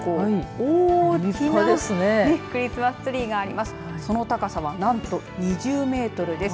大きなクリスマスツリーがあります。